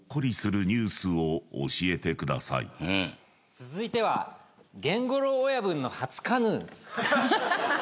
続いてはゲンゴロー親分の初カヌー。